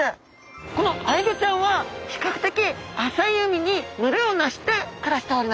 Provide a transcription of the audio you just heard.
このアイギョちゃんは比較的浅い海に群れをなして暮らしております。